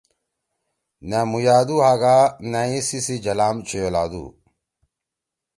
نأ مُوژادُو ہاگا، نأ یی سی سی جھلام چھیئولادُو